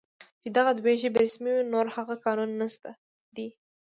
چې دغه دوه ژبې رسمي وې، نور هغه قانون نشته دی